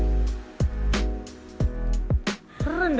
udah ajak ke sini dam